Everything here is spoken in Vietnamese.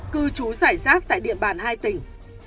cư chú giải rác tại địa bàn hai tỉnh